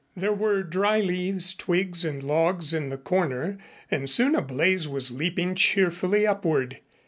There were dry leaves, twigs and logs in the corner, and soon a blaze was leaping cheerfully upward.